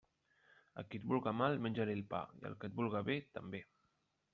A qui et vulga mal, menja-li el pa, i al que et vulga bé, també.